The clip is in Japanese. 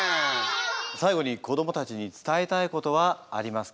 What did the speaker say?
最後に子どもたちに伝えたいことはありますか？